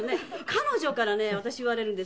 彼女からね私言われるんですよ。